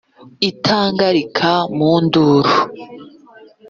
itangarika mu nduru